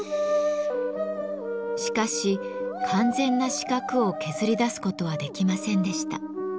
しかし完全な四角を削り出すことはできませんでした。